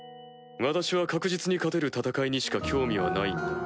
私は確実に勝てる戦いにしか興味はないんだ。